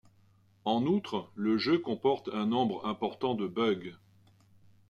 En outre, le jeu comporte un nombre important de bugs.